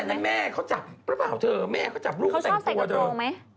ไม่ใช่นะแม่เขาจับประเป๋าเธอแม่เขาจับลูกเขาแต่งตัวเธอ